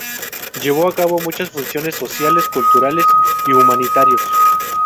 Llevó a cabo muchas funciones sociales, culturales y humanitarios.